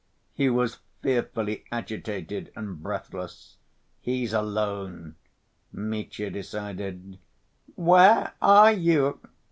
He was fearfully agitated and breathless. "He's alone." Mitya decided. "Where are you?"